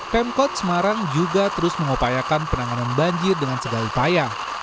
pemkot semarang juga terus mengupayakan penanganan banjir dengan segala upaya